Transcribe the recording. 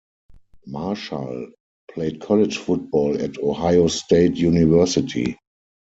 Marshall played college football at Ohio State University.